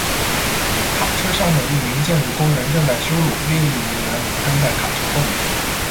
卡车上的一名建筑工人正在修路，另一名男子跟在卡车后面。